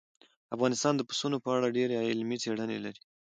افغانستان د پسونو په اړه ډېرې علمي څېړنې لري.